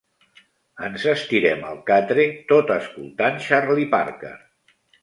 Ens estirem al catre tot escoltant Charlie Parker.